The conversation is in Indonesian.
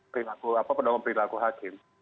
perilaku apa pendapat perilaku hakim